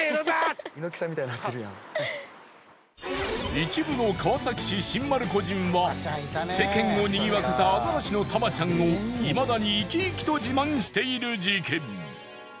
一部の川崎市新丸子人は世間をにぎわせたアザラシのタマちゃんを未だに生き生きと自慢している事件。